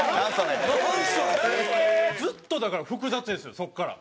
ずっとだから複雑ですよそこから。